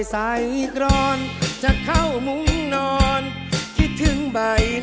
สู้นะครับ